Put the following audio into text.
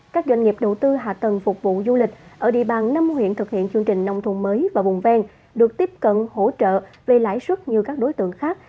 các doanh nghiệp đầu tư hạ tầng phục vụ du lịch ở địa bàn năm huyện thực hiện chương trình nông thôn mới và vùng ven được tiếp cận hỗ trợ về lãi suất như các đối tượng khác